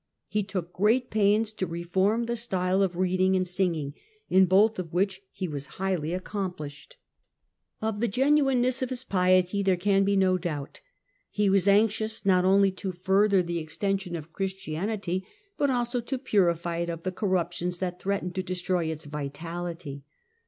Hi took great pains to reform the style of reading and sink ing, in both of which he was highly accomplished." LOWER RHINE j i i Engi.Miles 30 40 SO ° 184 THE DAWN OF MEDIAEVAL EUROPE Of the genuineness of his piety there can be no doubt. He was anxious not only to further the extension of Christianity but also to purify it of the corruptions that threatened to destroy its vitality.